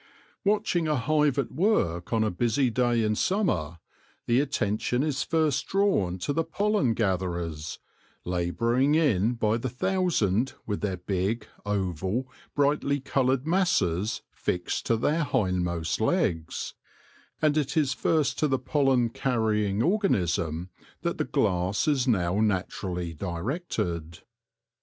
Watching a hive at work on a busy day in summer, the attention is first drawn to the pollen gatherers, labouring in by the thousand with the big, oval, brightly coloured masses fixed to their hindmost legs ; and it is first to the pollen carrying organism that the glass is now naturally directed.